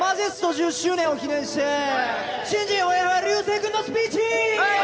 １０周年を記念して新人ほやほや流星君のスピーチ。